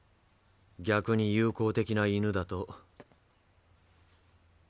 逆に友好的な犬だと。